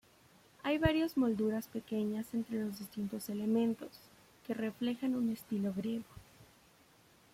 Hay varias molduras pequeñas entre los distintos elementos, que reflejan un estilo griego.